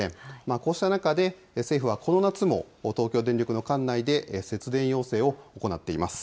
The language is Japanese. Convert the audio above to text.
こうした中で、政府はこの夏も東京電力の管内で節電要請を行っています。